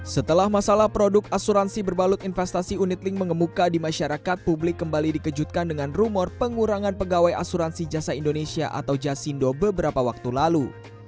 setelah masalah produk asuransi berbalut investasi unit link mengemuka di masyarakat publik kembali dikejutkan dengan rumor pengurangan pegawai asuransi jasa indonesia atau jasindo beberapa waktu lalu